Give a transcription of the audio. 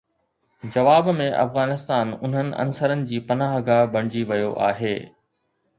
جواب ۾ افغانستان انهن عنصرن جي پناهه گاهه بڻجي ويو آهي